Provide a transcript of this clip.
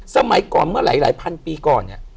สมัยก่อนเมื่อหลายพันปีก่อนเนี่ย